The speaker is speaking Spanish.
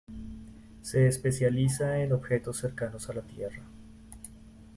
Se especializa en objetos cercanos a la Tierra.